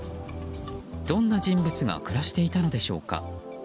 どんな人物が暮らしていたのでしょうか。